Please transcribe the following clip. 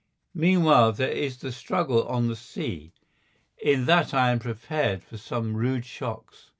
Meanwhile there is the struggle on the sea. In that I am prepared for some rude shocks.